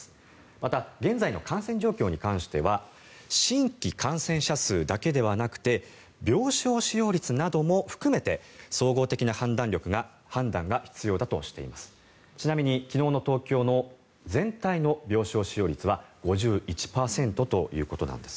また現在の感染状況に関しては新規感染者数だけではなくて病床使用率なども含めて総合的な判断が必要だとしています。